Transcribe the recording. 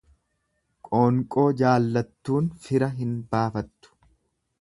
Qoonqoo jaallattuun fira hin baafattu.